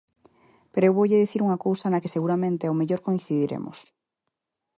Pero eu voulle dicir unha cousa na que seguramente ao mellor coincidiremos.